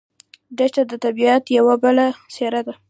دښته د طبیعت یوه بله څېره ده.